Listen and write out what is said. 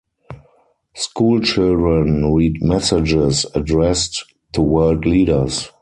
School children read messages addressed to world leaders.